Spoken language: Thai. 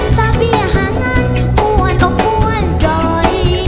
สะเบี้ยหาเงินม้วนก็ม้วนด้วย